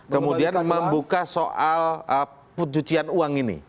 kemudian membuka soal pencucian uang ini